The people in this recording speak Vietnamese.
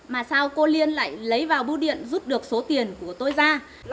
mà sao cô liên lại lấy vào bưu điện rút được số tiền của tôi ra